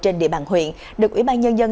trên địa bàn huyện được ủy ban nhân dân